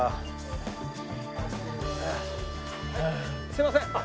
すいません。